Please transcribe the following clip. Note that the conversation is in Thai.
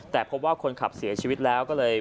แต่พบว่าคนขับเสียชีวิตแล้วก็เลย